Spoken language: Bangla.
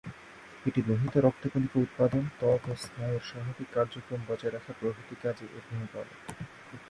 এটা লোহিত রক্ত কণিকা উৎপাদন, ত্বক ও স্নায়ুর স্বাভাবিক কার্যক্রম বজায় রাখা প্রভৃতি কাজে এর ভূমিকা অনেক।